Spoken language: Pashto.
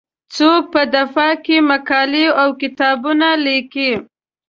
څوک په دفاع کې مقالې او کتابونه لیکي.